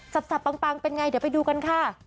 สับปังเป็นไงเดี๋ยวไปดูกันค่ะ